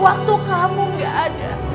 waktu kamu gak ada